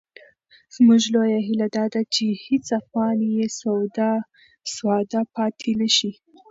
زموږ لویه هیله دا ده چې هېڅ افغان بې سواده پاتې نه سي.